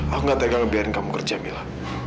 aku gak tega ngebiarin kamu kerja mila